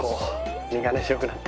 身がね白くなって。